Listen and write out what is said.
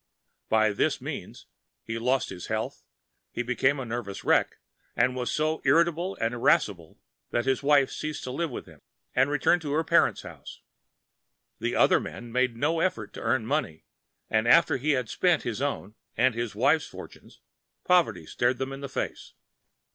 By this Means he lost his Health, he became a Nervous Wreck, and was so Irritable and Irascible that his Wife Ceased to live with him and Returned to her Parents' House. The Other Man made no Efforts to Earn Money, and after he had Spent his own and his Wife's Fortunes, Poverty Stared them in the Face.